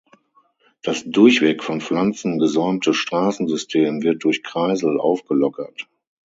Das durchweg von Pflanzen gesäumte Straßensystem wird durch Kreisel aufgelockert.